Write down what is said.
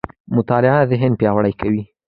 مطالعه ذهن پياوړی کوي.